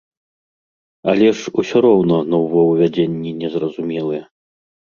Але ж усё роўна новаўвядзенні незразумелыя.